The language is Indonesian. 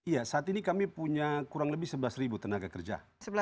iya saat ini kami punya kurang lebih sebelas tenaga kerja